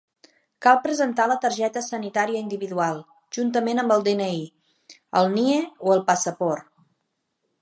Cal presentar la targeta sanitària individual, juntament amb el DNI, el NIE o el passaport.